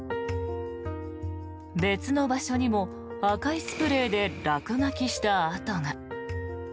別の場所にも赤いスプレーで落書きした跡が。